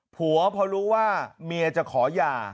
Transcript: ผัวพอรู้ว่าเมียจะขอหย่า